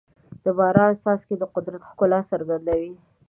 د باران څاڅکي د قدرت ښکلا څرګندوي.